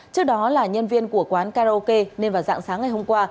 trước đó là nhân viên của quán karaoke nên vào dạng sáng ngày hôm qua